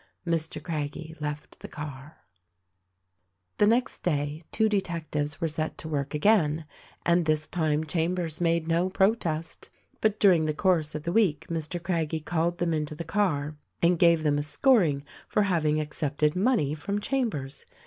Mr. Craggie left the car. THE RECORDING AXGEL 197 The next day two detectives were set to work again ; and this time Chambers made no protest. But during the course of the week Mr. Craggie called them into the car and gave them a scoring for having accepted money from Chambers.